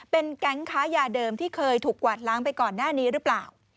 เป็นแก๊งค้ายาเดิมที่เคยถูกกวาดล้างไปก่อนหน้านี้หรือเปล่า